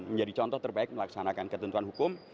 menjadi contoh terbaik melaksanakan ketentuan hukum